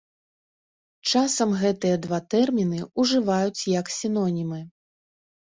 Часам гэтыя два тэрміны ўжываюць як сінонімы.